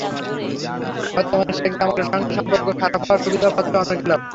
বর্তমানে শেখ জামালের সঙ্গে সম্পর্ক খারাপ হওয়ায় সুবিধা পাচ্ছে অন্য ক্লাব।